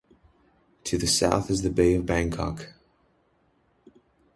To the south is the Bay of Bangkok.